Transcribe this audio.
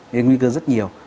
nên nguy cơ rất nhiều